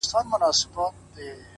• دا درې جامونـه پـه واوښـتـل ـ